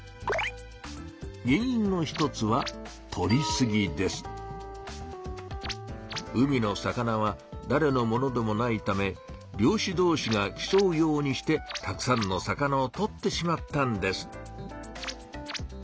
原いんの一つは海の魚はだれのものでもないため漁しどうしが競うようにしてたくさんの魚をとってしまったんです。